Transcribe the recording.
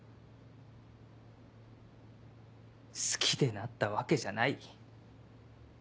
好きでなったわけじゃない？